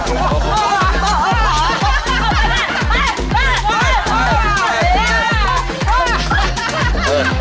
โอ้โห